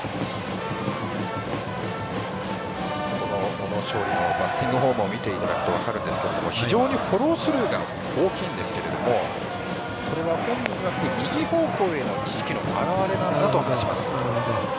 小野勝利のバッティングフォームを見ていただくと分かるんですが非常にフォロースルーが大きいんですけども本人いわく、右方向への意識の表われなんだと話します。